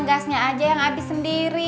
kalau emak angin